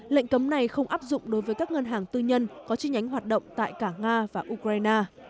lệnh cấm này không áp dụng đối với các ngân hàng tư nhân có chi nhánh hoạt động tại cả nga và ukraine